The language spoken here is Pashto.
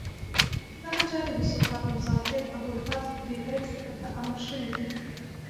دغه چارې د سلطان الظاهر ابوالفتح بیبرس په امر شوې دي.